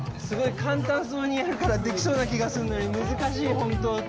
すごい簡単そうにやるから、できそうな気がするのに難しい、本当。